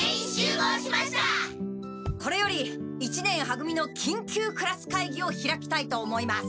これより一年は組のきん急クラス会議を開きたいと思います。